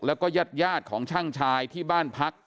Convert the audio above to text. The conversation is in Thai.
แล้วก็ญาติของช่างชายที่บ้านพัก